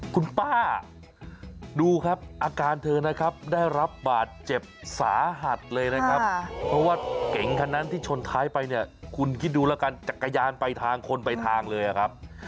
คุณป้าดูครับอาการเธอนะครับได้รับบาดเจ็บสาหัสเลยนะครับเพราะว่าเก๋งคันนั้นที่ชนท้ายไปเนี่ยคุณคิดดูแล้วกันจักรยานไปทางคนไปทางเลยครับ